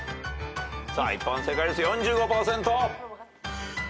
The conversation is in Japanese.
一般正解率４５％。